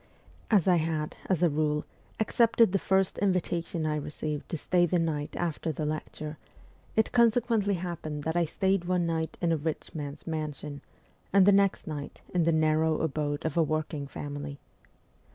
As I had, as a rule, accepted the first invitation I received to stay the night after the lecture, it consequently happened that I stayed one night in a rich man's mansion, and the next night in the narrow abode of a working family.